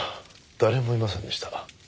誰もいませんでした。